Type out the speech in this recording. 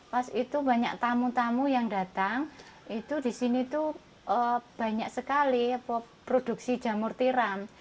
pas itu banyak tamu tamu yang datang itu disini tuh banyak sekali produksi jamur tiram